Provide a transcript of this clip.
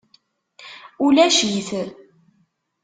Ulac-it.